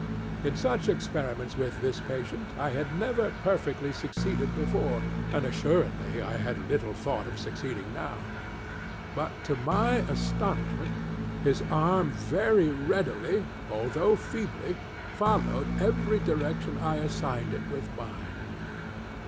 In such experiments with this patient, I had never perfectly succeeded before, and assuredly I had little thought of succeeding now; but to my astonishment, his arm very readily, although feebly, followed every direction I assigned it with mine.